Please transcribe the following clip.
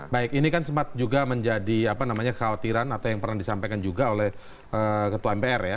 baik ini kan sempat juga menjadi khawatiran atau yang pernah disampaikan juga oleh ketua mpr ya